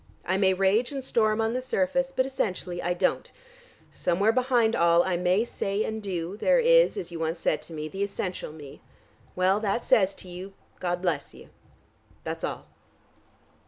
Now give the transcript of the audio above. I may rage and storm on the surface, but essentially I don't. Somewhere behind all I may say and do, there is, as you once said to me, the essential me. Well, that says to you, 'God bless you.' That's all."